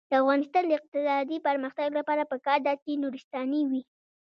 د افغانستان د اقتصادي پرمختګ لپاره پکار ده چې نورستاني وي.